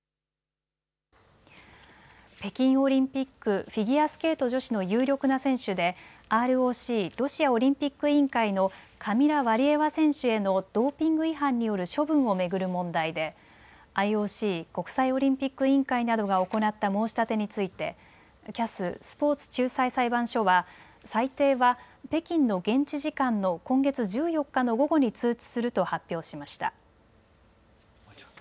北京オリンピックフィギュアスケート女子の有力な選手でＲＯＣ・ロシアオリンピック委員会のカミラ・ワリエワ選手へのドーピング違反による処分を巡る問題でＩＯＣ・国際オリンピック委員会などが行った申し立てについてＣＡＳ・スポーツ仲裁裁判所は、裁定は北京の現地時間の今月１４日の午後に通知すると発表しました。